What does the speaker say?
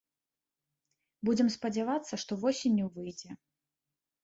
Будзем спадзявацца, што восенню выйдзе.